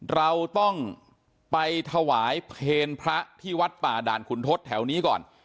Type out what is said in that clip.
เราต้องไปถวายเพลพระที่วัดป่าด่านขุนทศแถวนี้ก่อน